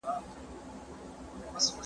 ایا سکرین رڼا ورکوي؟